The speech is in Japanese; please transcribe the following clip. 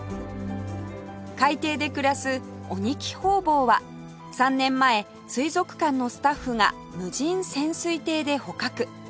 海底で暮らすオニキホウボウは３年前水族館のスタッフが無人潜水艇で捕獲